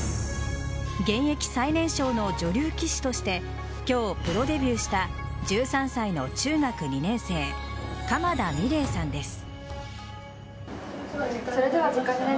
現役最年少の女流棋士として今日プロデビューした１３歳の中学２年生鎌田美礼さんです。